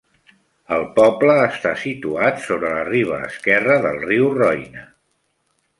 El poble està situat sobre la riba esquerra del riu Roine.